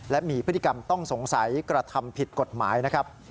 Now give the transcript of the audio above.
และมีพฤติกรรมต้องสงสัยกระทำผิดกฎหมายนะครับ